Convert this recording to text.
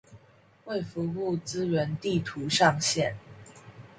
衛福部資源地圖上線